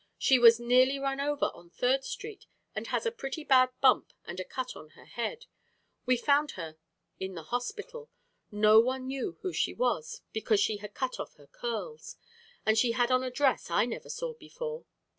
"She was nearly run over on Third Street, and has a pretty bad bump and a cut on her head. We found her in the hospital. No one knew who she was because she had cut off her curls, and she had on a dress I never saw before.